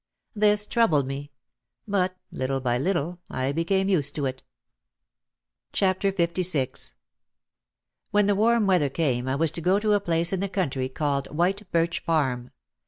This troubled me, but little by little I became used to it. 26o OUT OF THE SHADOW LVI When the warm weather came I was to go to a place in the country called White Birch Farm.